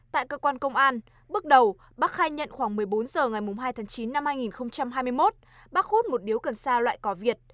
tại cơ quan công an bước đầu bắc khai nhận khoảng một mươi bốn h ngày hai tháng chín năm hai nghìn hai mươi một bắc hút một điếu cần sa loại cỏ việt